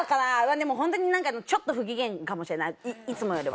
でもホントに何かちょっと不機嫌かもしれないいつもよりは。